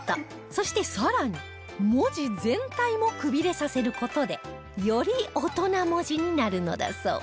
そしてさらに文字全体もくびれさせる事でより大人文字になるのだそう